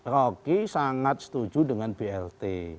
rocky sangat setuju dengan blt